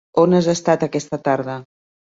On has estat aquesta tarda?